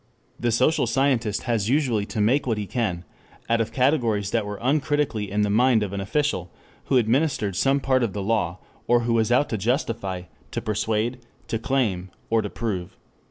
The social scientist has usually to make what he can out of categories that were uncritically in the mind of an official who administered some part of a law, or who was out to justify, to persuade, to claim, or to prove.